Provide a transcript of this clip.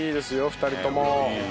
２人とも。